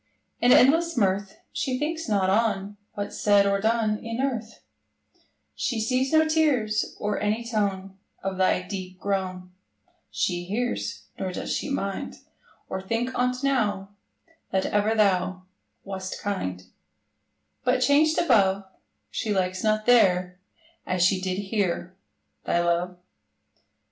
In endless mirth, She thinks not on What's said or done In earth: She sees no tears, Or any tone Of thy deep groan She hears; Nor does she mind, Or think on't now, That ever thou Wast kind: But changed above, She likes not there, As she did here, Thy love.